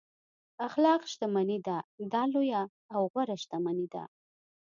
اخلاق شتمني ده دا لویه او غوره شتمني ده.